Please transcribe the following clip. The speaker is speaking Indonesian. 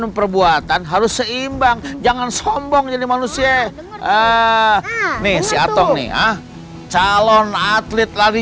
memperbuatan harus seimbang jangan sombong jadi manusia ah nih si atau nih ah calon atlet lari